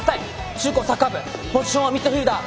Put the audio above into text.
中・高サッカー部ポジションはミッドフィルダー。